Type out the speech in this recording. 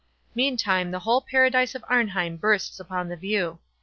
Meantime the whole Paradise of Arnheim bursts upon the view.